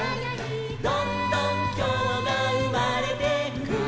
「どんどんきょうがうまれてく」